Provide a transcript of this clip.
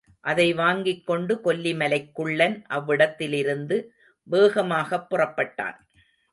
அதை வாங்கிக்கொண்டு கொல்லிமலைக் குள்ளன் அவ்விடத்திலிருந்து வேகமாகப் புறப்பட்டான்.